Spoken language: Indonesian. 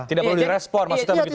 tidak perlu direspon maksudnya begitu